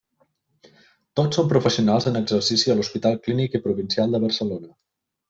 Tots són professionals en exercici a l'Hospital Clínic i Provincial de Barcelona.